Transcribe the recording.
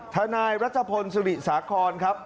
ทนายรัชพลสุริสาครครับ